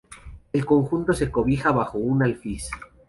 El conjunto se cobija bajo un alfiz.